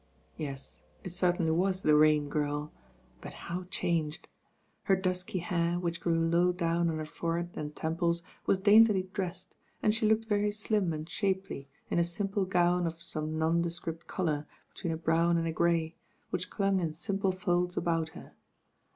Yes; it certainly was the RaiivGirl; but how changed. Her dusky hair, which grew low down on her forehead and temples, was daintily dressed, and she looked very slim and shapely in a simple gown of some nondescript colour between a brown and a grey, which dung in simple folds about her.